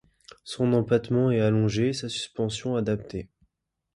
Son empattement est allongé et sa suspension adaptée.